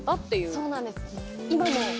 そうなんです今も？